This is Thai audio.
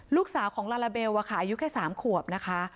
ลูกสาวของลาลาเบลอายุแค่๓ขวบนะคะ